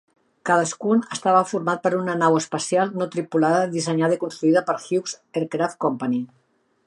Cadascun estava format por una nau espacial no tripulada dissenyada i construïda per Hughes Aircraft Company.